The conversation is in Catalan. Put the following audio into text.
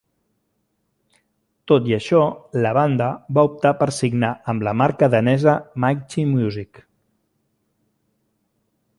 Tot i això, la banda va optar per signar amb la marca danesa Mighty Music.